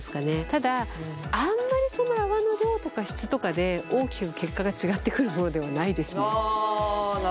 ただあんまりその泡の量とか質とかで大きく結果が違ってくるものではないですね。